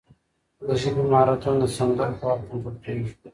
د ژبې مهارتونه د سندرو په وخت کنټرول کېږي.